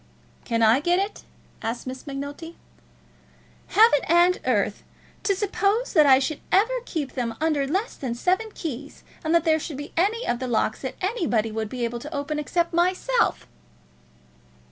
"Can I get it?" asked Miss Macnulty. "Heaven and earth! To suppose that I should ever keep them under less than seven keys, and that there should be any of the locks that anybody should be able to open except myself!"